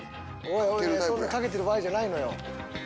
そんなかけてる場合じゃないのよ。